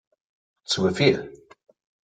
Zu Befehl!